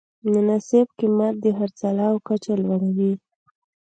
مناسب قیمت د خرڅلاو کچه لوړوي.